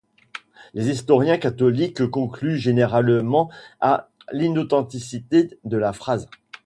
Les historiens catholiques concluent généralement à l'inauthenticité de la phrase.